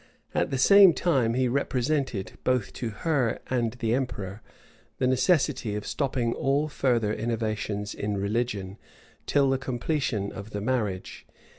At the same time he represented, both to her and the emperor, the necessity of stopping all further innovations in religion, till the completion of the marriage.